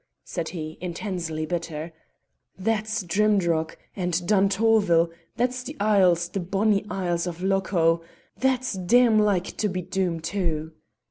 said he, intensely bitter; "that's Drimdarroch, and Duntorvil, that's the Isles, the bonny Isles of Lochow; that's damn like to be Doom too!